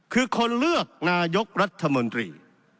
คือคนเลือกนายกรัฐมนตรี